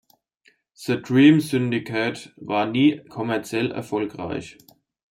The Dream Syndicate war nie kommerziell erfolgreich.